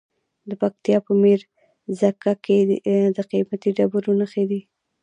د پکتیا په میرزکه کې د قیمتي ډبرو نښې دي.